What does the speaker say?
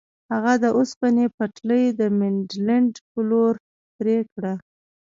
هغه د اوسپنې پټلۍ د مینډلینډ په لور پرې کړه.